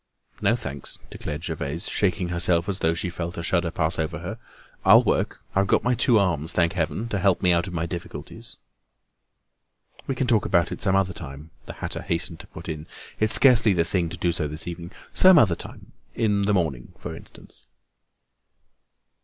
"No thanks," declared Gervaise, shaking herself as though she felt a shudder pass over her. "I'll work; I've got my two arms, thank heaven! to help me out of my difficulties." "We can talk about it some other time," the hatter hastened to put in. "It's scarcely the thing to do so this evening. Some other time—in the morning for instance."